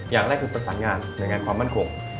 อย่างแรกคือประสานงานหน่วยงานความมั่นคง